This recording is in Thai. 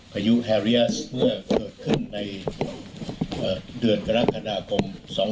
พายุแฮเรียสเมื่อเกิดขึ้นในเดือนกรกฎาคม๒๕๖